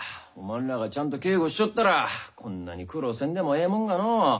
おまんらがちゃんと警固しちょったらこんなに苦労せんでもええもんがのう。